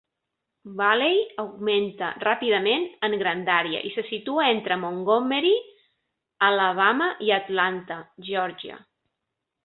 Valley augmenta ràpidament en grandària i se situa entre Montgomery, Alabama i Atlanta, Geòrgia.